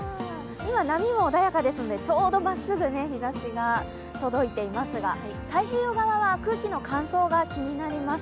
今、波も穏やかですので、ちょうど真っすぐ日ざしが届いていますが、太平洋側は空気の乾燥が気になります。